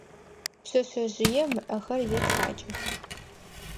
Пшъэшъэжъыем ыӏэхэр етхьакӏых.